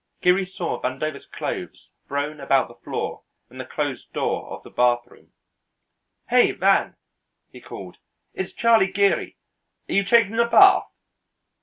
Geary saw Vandover's clothes thrown about the floor and the closed door of the bathroom. "Hey, Van!" he called. "It's Charlie Geary. Are you taking a bath?"